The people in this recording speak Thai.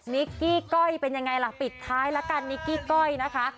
นิกกี้ก้อยเป็นยังไงล่ะปิดท้ายละกันนิกกี้ก้อยนะคะ